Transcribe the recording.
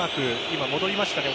今、戻りましたね。